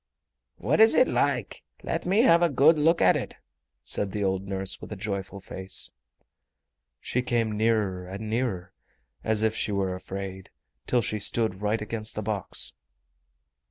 "What is it like? Let me have a good look at it," said the old nurse, with a joyful face. She came nearer and nearer, as if she were afraid, till she stood right against the box.